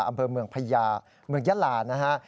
อำเภอเมืองพญาเมืองยาลานะฮะ